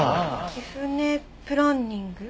キフネ・プランニング？